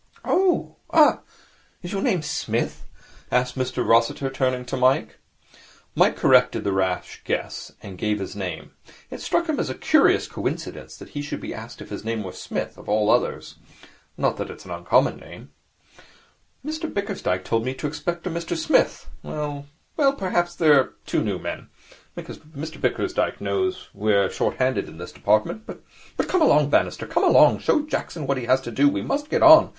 'Oh! Ah! Is your name Smith?' asked Mr Rossiter, turning to Mike. Mike corrected the rash guess, and gave his name. It struck him as a curious coincidence that he should be asked if his name were Smith, of all others. Not that it is an uncommon name. 'Mr Bickersdyke told me to expect a Mr Smith. Well, well, perhaps there are two new men. Mr Bickersdyke knows we are short handed in this department. But, come along, Bannister, come along. Show Jackson what he has to do. We must get on.